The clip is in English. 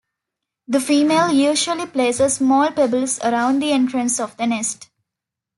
The female usually places small pebbles around the entrance of the nest.